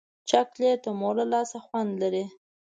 چاکلېټ د مور له لاسه خوند لري.